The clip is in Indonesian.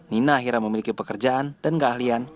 nina akhirnya memiliki pekerjaan dan keahlian